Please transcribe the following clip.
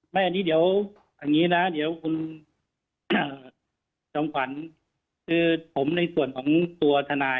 ผู้ชายทดลองควันวาของชั้นคือผมในส่วนของทนาย